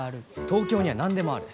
東京には何でもある。